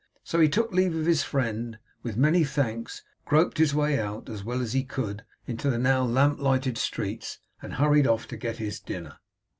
So he took leave of his friend, with many thanks, groped his way out, as well as he could, into the now lamp lighted streets, and hurried off to get his dinner.